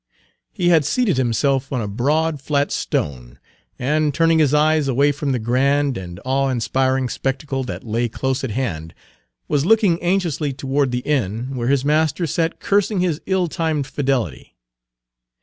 He had seated himself on a broad flat stone, and, turning his eyes away from the grand and awe inspiring spectacle that lay close at hand, was looking anxiously toward the inn where his master sat cursing his ill timed fidelity.